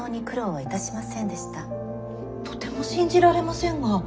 とても信じられませんが。